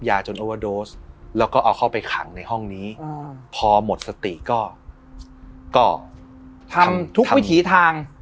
ทำทุกวิถีทาง